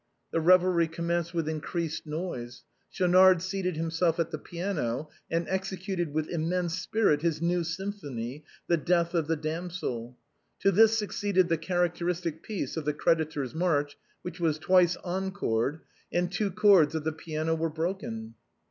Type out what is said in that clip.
The revelry recommenced with increased noise. Sehau 152 THE BOHEMIANS OF THE LATIN QUARTER. nard seated himself at the piano and executed, with im mense spirit, his new symphony, " The Death of the Damsel." To this succeeded the characteristic piece of " The Creditor's March," which was twice encored, and two chords of the piano were broken.